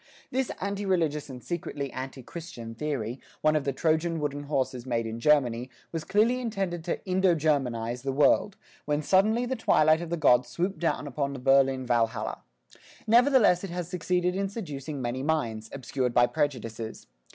This anti religious and secretly anti Christian theory, one of the Trojan wooden horses made in Germany, was clearly intended to "Indo Germanize" the world, when suddenly the twilight of the Gods swooped down upon the Berlin Valhalla. Nevertheless it has succeeded in seducing many minds, obscured by prejudices.